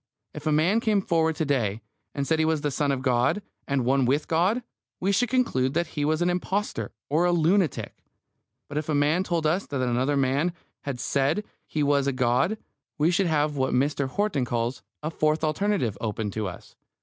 If a man came forward to day, and said he was the Son of God, and one with God, we should conclude that he was an impostor or a lunatic. But if a man told us that another man had said he was a god, we should have what Mr. Horton calls a "fourth alternative" open to us.